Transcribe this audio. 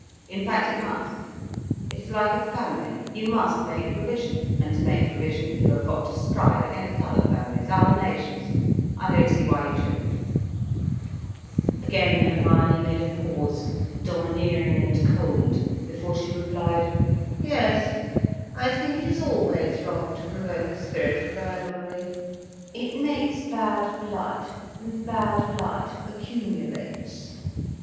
"In fact it must. It is like a family. You must make provision. And to make provision you have got to strive against other families, other nations. I don't see why you shouldn't." Again Hermione made a pause, domineering and cold, before she replied: "Yes, I think it is always wrong to provoke a spirit of rivalry. It makes bad blood. And bad blood accumulates."